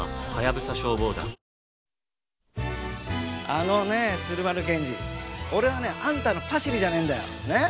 あのねえ鶴丸検事俺はねあんたのパシリじゃねえんだよ。ね？